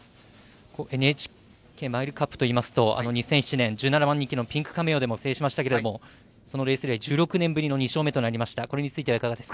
ＮＨＫマイルカップといいますと２００７年１７番人気のピンクカメオでも制しましたけどそのレースで１６年ぶりの２勝目になりました。